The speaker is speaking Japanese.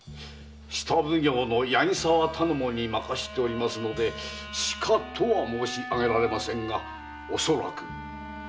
下奉行の八木沢頼母に任せておりますのでしかとは申し上げられませんが恐らく。